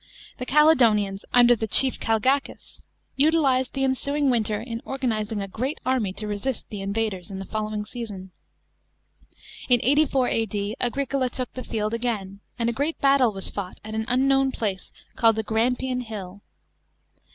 The Caledonians, under the cliie Calgacus, utilized the ensuin_f winter in organising a £reat army to resist the invaders in the following season. In 84 A.D. Agricola took the field a^rai i. a< d a yreat battle was 'ought at an unknown place caLed the Granpian H 11.